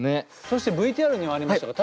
そしてＶＴＲにもありましたが☆